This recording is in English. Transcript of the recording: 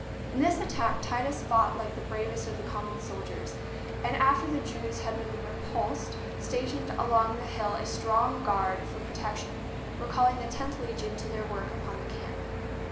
In this attack Titus fought like the bravest of the common soldiers, and after the Jews had been re pulsed stationed along the hill a strong guard for protection, recalling the Tenth Legion to their work upon the camp.